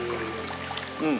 うん。